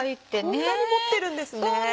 こんなに持ってるんですね。